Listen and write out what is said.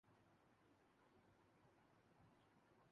امیں یکدم گھبرا کر برے خواب سے چونکا